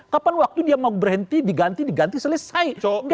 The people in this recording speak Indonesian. kapan waktu dia mau berhenti diganti diganti selesai